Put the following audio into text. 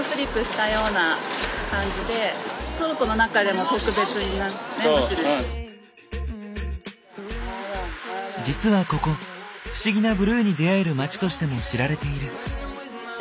マルディンは実はここ「不思議なブルーに出会える街」としても知られている。